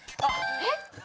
えっ？